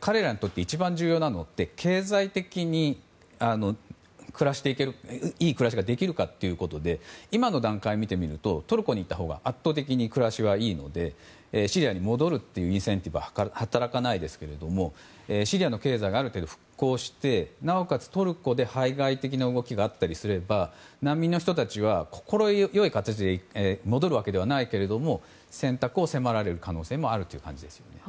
彼らにとって一番重要なのは経済的にいい暮らしができるかということで今の段階を見てみるとトルコにいたほうが圧倒的に暮らしはいいのでシリアに戻るインセンティブは働かないですがシリア経済がある程度、復興してなおかつトルコで排外的な動きがあったとすれば難民の人たちは心地よい形で戻るわけじゃないけど選択を迫られる可能性もあるということですね。